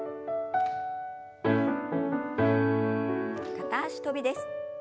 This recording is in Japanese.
片脚跳びです。